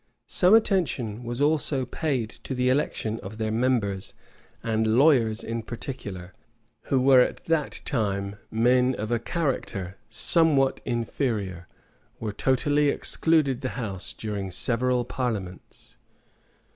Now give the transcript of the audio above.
Some attention was also paid to the election of their members; and lawyers in particular, who were at that time men of a character somewhat inferior, were totally excluded the house during several parliaments.